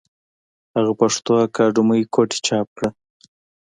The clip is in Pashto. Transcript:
هغه پښتو اکادمي کوټې چاپ کړه